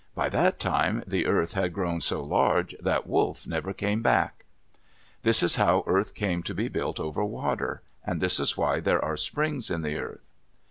By that time the earth had grown so large that Wolf never came back. This is how the earth came to be built over water. And this is why there are springs in the earth.